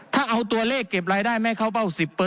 ถ้าเอาตัวเลขเก็บรายได้ไม่เข้าเป้า๑๐